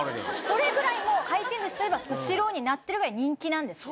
それぐらいもう回転寿司といえば「スシロー」になってるぐらい人気なんです。